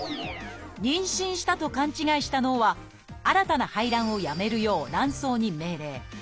妊娠したと勘違いした脳は新たな排卵をやめるよう卵巣に命令。